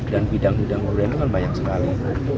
dan bidang bidang urutan itu kan banyak sekali